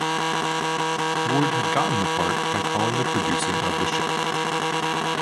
Ward had gotten the part by calling the producer of the show.